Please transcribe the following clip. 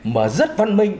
mà rất văn minh